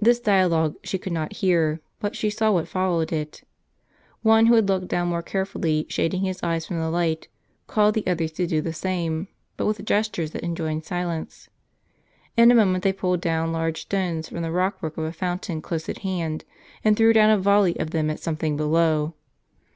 This dialogue she could not hear, but she saw what fol lowed it. One who had looked down more carefully, shading his eyes from the light, called the others to do the same, but with gestures which enjoined silence. In a moment they pulled down large stones from the rock work of a fountain, close at hand, and threw down a volley of them at something below.